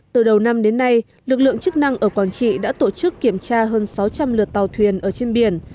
từ đầu năm đến nay lực lượng chức năng ở quảng trị đã tổ chức kiểm tra hơn sáu trăm linh lượt tàu thuyền ở trên biển